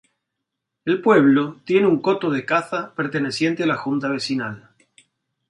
El pueblo tiene un coto de caza perteneciente a la Junta Vecinal.